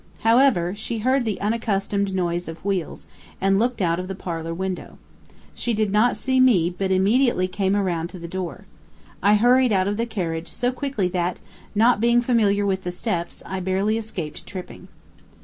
However, she heard the unaccustomed noise of wheels, and looked out of the parlor window. She did not see me, but immediately came around to the door. I hurried out of the carriage so quickly that, not being familiar with the steps, I barely escaped tripping.